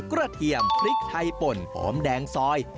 เทียมพริกไทยป่นหอมแดงซอย